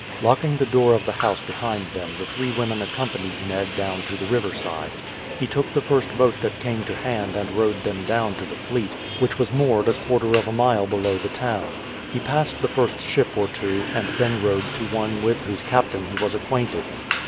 Locking the door of the house behind them the three women accompanied Ned down to the riverside. He took the first boat that came to hand and rowed them down to the fleet, which was moored a quarter of a mile below the town. He passed the first ship or two, and then rowed to one with whose captain he was acquainted.